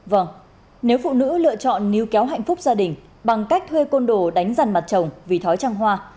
vâng nếu phụ nữ lựa chọn níu kéo hạnh phúc gia đình bằng cách thuê côn đồ đánh dằn mặt chồng vì thói trang hoa